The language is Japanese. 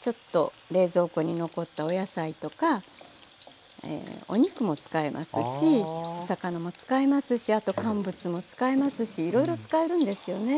ちょっと冷蔵庫に残ったお野菜とかお肉も使えますしお魚も使えますしあと乾物も使えますしいろいろ使えるんですよね。